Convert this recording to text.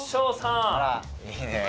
あらいいね。